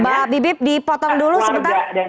mbak bibip dipotong dulu sebentar